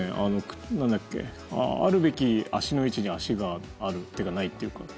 あるべき足の位置に足がないというか。